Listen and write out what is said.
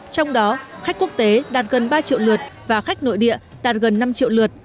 trong đó khách quốc tế đạt gần ba triệu lượt và khách nội địa đạt gần năm triệu lượt